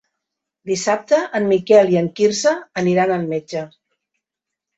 Dissabte en Miquel i en Quirze aniran al metge.